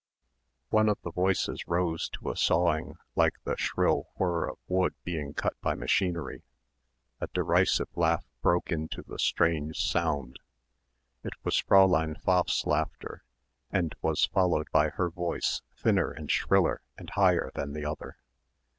One of the voices rose to a sawing like the shrill whir of wood being cut by machinery.... A derisive laugh broke into the strange sound. It was Fräulein Pfaff's laughter and was followed by her voice thinner and shriller and higher than the other.